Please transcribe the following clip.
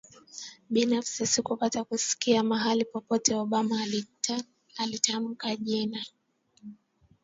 binafsi sikupata sikusikia mahali popote Obama akitamka jina